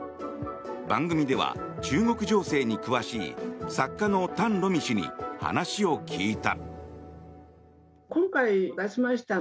番組では中国情勢に詳しい作家の譚ろ美氏に話を聞いた。